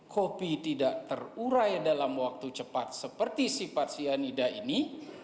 kopi tidak terurai dalam waktu cepat seperti sifat cyanida ini